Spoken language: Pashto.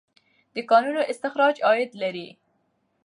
د کانونو استخراج عاید لري.